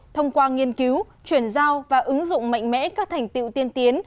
thông qua nghiên cứu chuyển giao và ứng dụng mạnh mẽ các thành tiệu tiên tiến